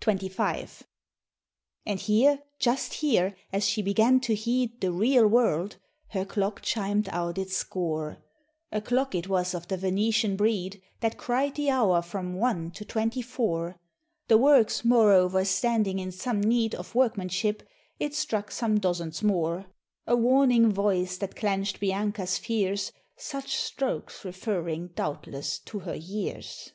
XXV. And here just here as she began to heed The real world, her clock chimed out its score; A clock it was of the Venetian breed, That cried the hour from one to twenty four; The works moreover standing in some need Of workmanship, it struck some dozens more; A warning voice that clench'd Bianca's fears, Such strokes referring doubtless to her years.